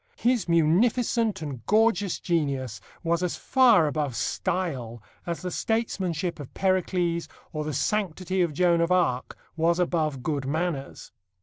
His munificent and gorgeous genius was as far above style as the statesmanship of Pericles or the sanctity of Joan of Arc was above good manners.